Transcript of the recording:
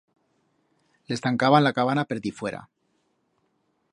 Les tancaban la cabana per difuera.